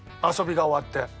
遊びが終わって。